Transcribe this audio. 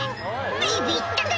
ビビったか？